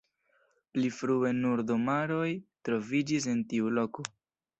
Pli frue nur domaroj troviĝis en tiu loko.